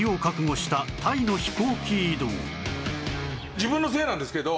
自分のせいなんですけど。